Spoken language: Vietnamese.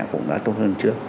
cũng đã tốt hơn trước